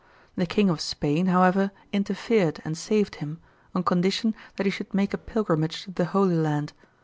The King of Spain, however, interfered and saved him, on condition that he should make a pilgrimage to the Holy Land.